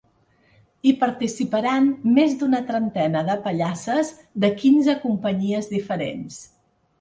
Hi participaran més d’una trentena de pallasses de quinze companyies diferents.